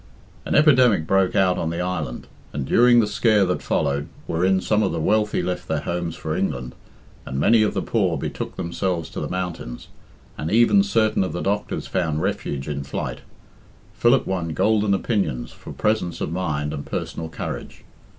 An epidemic broke out on the island, and during the scare that followed, wherein some of the wealthy left their homes for England, and many of the poor betook themselves to the mountains, and even certain of the doctors found refuge in flight, Philip won golden opinions for presence of mind and personal courage.